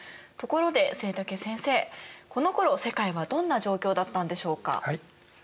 ところで季武先生このころ世界はどんな状況だったんでしょうか？